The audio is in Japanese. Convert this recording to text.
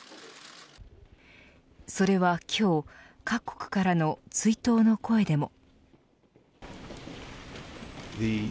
それは今日各国からの追悼の声でも。